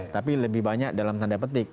tapi lebih banyak dalam tanda petik